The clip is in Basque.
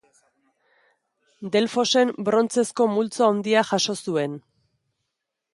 Delfosen brontzezko multzo handia jaso zuen.